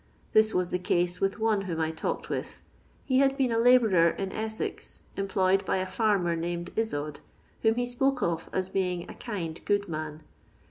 This was the case with one whom I talked with: he had been a labourer in Bssez, employed by a fermcr named luod, whom he spoko of as being a kind good man.